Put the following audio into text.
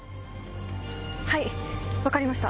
はい分かりました。